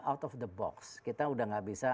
out of the box kita udah gak bisa